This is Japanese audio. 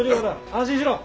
安心しろ。